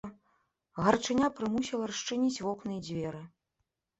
Гарачыня прымусіла расчыніць вокны і дзверы.